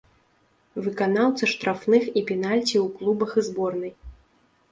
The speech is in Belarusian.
Выканаўца штрафных і пенальці ў клубах і зборнай.